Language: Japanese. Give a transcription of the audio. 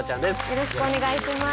よろしくお願いします。